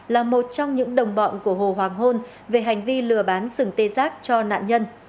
là một trong những đồng bọn của hồ hoàng hôn về hành vi lừa bán sừng tê giác cho nạn nhân